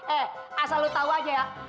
eh asal lo tau aja ya